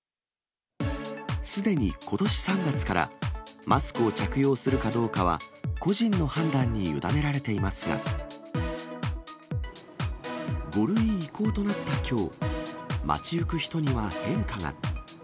すでにことし３月からマスクを着用するかどうかは、個人の判断に委ねられていますが、５類移行となったきょう、街行く人には変化が。